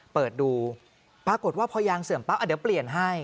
เปิดดูปรากฏว่าพอยางเสื่อมปั๊บเดี๋ยวเปลี่ยนให้